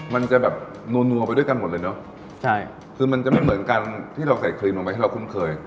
มันจะแบบนัวไปด้วยกันหมดเลยเนอะใช่คือมันจะไม่เหมือนกันที่เราใส่ครีมลงไปให้เราคุ้นเคย